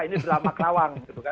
ini drama kerawang